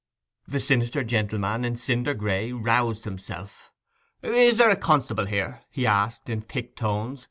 The sinister gentleman in cinder gray roused himself. 'Is there a constable here?' he asked, in thick tones.